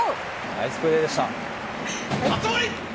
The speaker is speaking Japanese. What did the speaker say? ナイスプレーでした。